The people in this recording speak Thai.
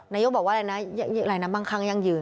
นายก็บอกว่ารายน้ำมั่งค้างยั่งยืน